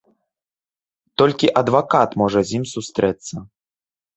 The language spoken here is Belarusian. Толькі адвакат можа з ім сустрэцца.